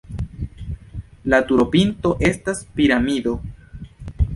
La turopinto estas piramido.